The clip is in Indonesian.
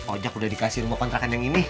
ojek udah dikasih rumah kontrakan yang ini